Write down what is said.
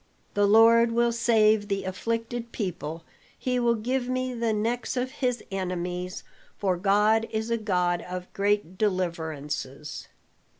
The Lord will save the afflicted people, he will give me the necks of his enemies, for God is a God of great deliverances."